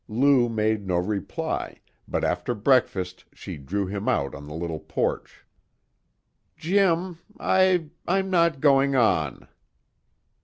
Lou made no reply, but after breakfast she drew him out on the little porch. "Jim, I I'm not goin' on."